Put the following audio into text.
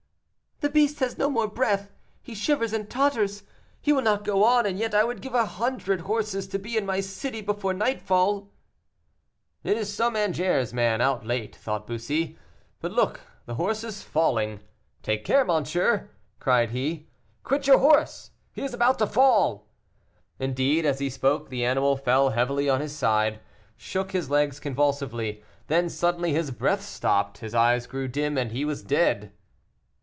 "The beast has no more breath he shivers and totters; he will not go on; and yet I would give a hundred horses to be in my city before nightfall." "It is some Angers man out late," thought Bussy. "But look, the horse is falling; take care, monsieur," cried he; "quit your horse he is about to fall." Indeed, as he spoke the animal fell heavily on his side, shook his legs convulsively, then suddenly his breath stopped, his eyes grew dim, and he was dead.